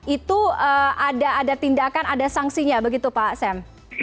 itu ada tindakan ada sanksinya begitu pak sam